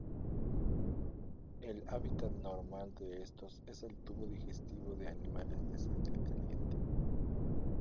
El hábitat normal de estos es el tubo digestivo de animales de sangre caliente.